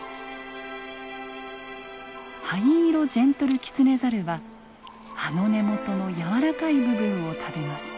ハイイロジェントルキツネザルは葉の根元の軟らかい部分を食べます。